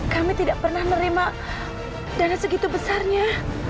kami tidak pernah menerima dana segitu besarnya